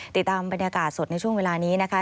ติดตามบรรยากาศสดในช่วงเวลานี้นะคะ